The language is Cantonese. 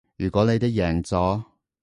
如果你哋贏咗